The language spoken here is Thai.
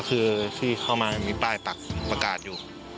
คือที่เข้ามามีป้ายปักประกาศอยู่